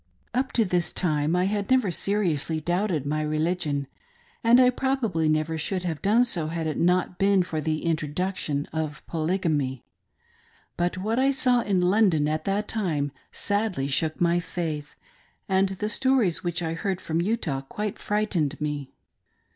Up to this time I had never seriously doubted my religion, and I probably never should have done so had it not been for the introduction of Polygamy. But what I saw in London at that time sadly shook my faith, and the stories which I heard from Utah quite frightened me.